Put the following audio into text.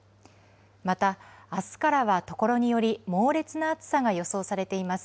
また、あすからは所により、猛烈な暑さが予想されています。